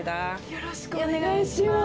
よろしくお願いします。